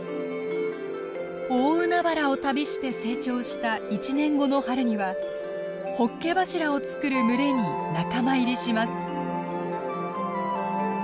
大海原を旅して成長した１年後の春にはホッケ柱を作る群れに仲間入りします。